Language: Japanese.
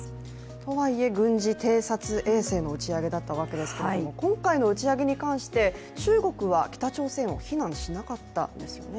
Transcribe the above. とはいえ、軍事偵察衛星の打ち上げだったわけですけども、今回の打ち上げに関して、中国は北朝鮮を非難しなかったんですよね？